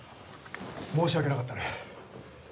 申し訳なかったね。